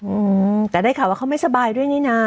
อืมแต่ได้ข่าวว่าเขาไม่สบายด้วยนี่น่ะ